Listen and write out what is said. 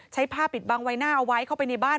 ผ้าปิดบังใบหน้าเอาไว้เข้าไปในบ้าน